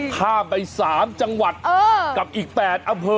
ท่าไปสามจังหวัดกับอีกแปดอำเภอ